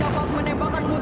dengan kemampuan terhadap